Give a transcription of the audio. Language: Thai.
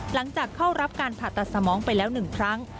หลังจากเข้ารับการผ่าตัดสมองไปแล้ว๑ครั้ง